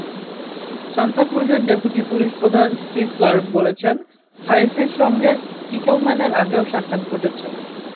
Santa ক্রুজের deputy পুলিশপ্রধান Steve Clark বলেছেন, হায়েসের সঙ্গে টিকেলম্যানের আগেও সাক্ষাত্ ঘটেছে।